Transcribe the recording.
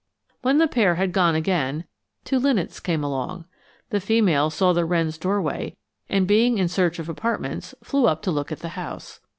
When the pair had gone again, two linnets came along. The female saw the wren's doorway, and being in search of apartments flew up to look at the house.